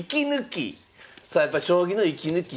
さあやっぱ将棋の息抜き